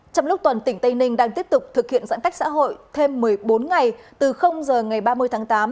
trong lúc toàn tỉnh tây ninh đang tiếp tục thực hiện giãn cách xã hội thêm một mươi bốn ngày từ giờ ngày ba mươi tháng tám